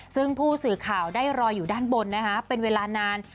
ซึ่งผู้สื่อข่าวได้รออยู่ด้านบนนะคะเป็นเวลานาน